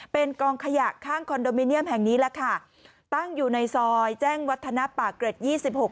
เป็นกองขยะข้างคอนโดมิเนียมแห่งนี้แหละค่ะตั้งอยู่ในซอยแจ้งวัฒนาปากเกร็ดยี่สิบหก